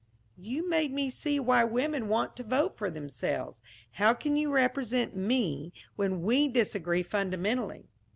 "You made me see why women want to vote for themselves. How can you represent me, when we disagree fundamentally?"